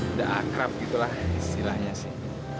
udah akrab gitu lah istilahnya sih